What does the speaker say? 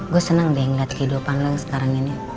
gue senang deh ngeliat kehidupan long sekarang ini